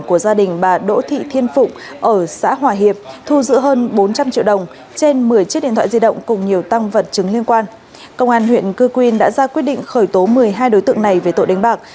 công an huyện cư quyên đã ra quyết định khởi tố một mươi hai đối tượng này về tội đánh bạc